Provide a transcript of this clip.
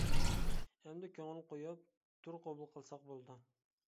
ئەمدى كۆڭۈل قويۇپ تۈر قوبۇل قىلساق بولىدۇ.